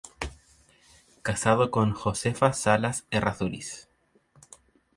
Casado con "Josefa Salas Errázuriz".